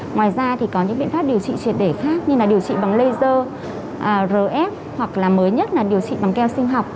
ngoài ra thì có những biện pháp điều trị triệt để khác như là điều trị bằng laser rf hoặc là mới nhất là điều trị bằng keo sinh học